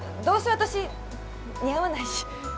どうせ私似合わないし。